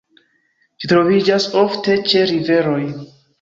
Ĝi troviĝas ofte ĉe riveroj.